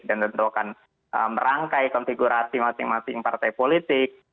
dan tentu akan merangkai konfigurasi masing masing partai politik